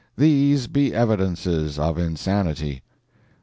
These be evidences of insanity.